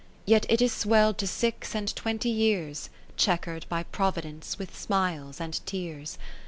Till it is swell'd to six and twenty years, Chequer'd by Providence with smiles and tears.